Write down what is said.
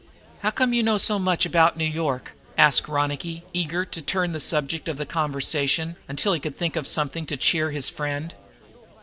"How come you know so much about New York?" asked Ronicky, eager to turn the subject of conversation until he could think of something to cheer his friend.